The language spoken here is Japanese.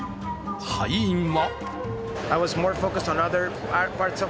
敗因は？